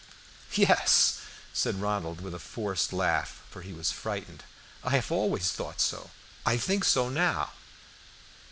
"Yes," said Ronald with a forced laugh, for he was frightened. "I have always thought so; I think so now."